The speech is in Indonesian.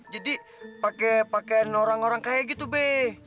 jadi pake pakean orang orang kaya gitu be